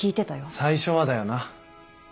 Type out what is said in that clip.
最初はだよな。